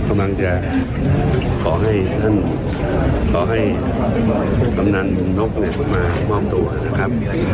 กำลังจะขอให้ท่านขอให้กำนันนกมามอบตัวนะครับ